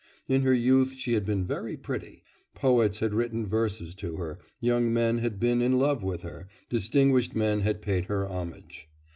In her youth she had been very pretty. Poets had written verses to her, young men had been in love with her, distinguished men had paid her homage.